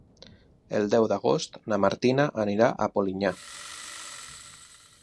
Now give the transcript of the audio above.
El deu d'agost na Martina anirà a Polinyà.